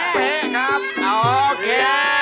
เป๊ะครับโอเค